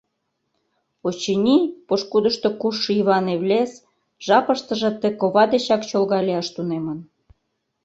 Очыни, пошкудышто кушшо Иван-Эвлес жапыштыже ты кова дечак чолга лияш тунемын.